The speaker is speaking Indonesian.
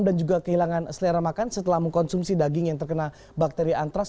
dan juga kehilangan selera makan setelah mengkonsumsi daging yang terkena bakteri antraks